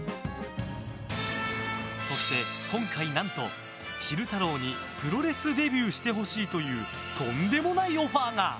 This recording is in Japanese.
そして今回、何と昼太郎にプロレスデビューしてほしいというとんでもないオファーが。